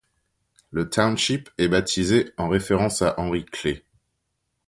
Le township est baptisé en référence à Henry Clay.